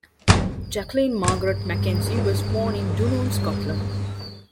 Jacqueline Margaret Mackenzie was born in Dunoon, Scotland.